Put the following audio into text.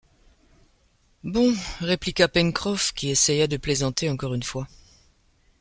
Bon ! répliqua Pencroff, qui essaya de plaisanter encore une fois